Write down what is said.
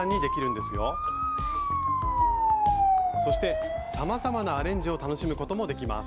そしてさまざまなアレンジを楽しむこともできます。